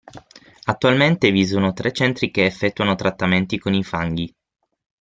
Attualmente vi sono tre centri che effettuano trattamenti con i fanghi.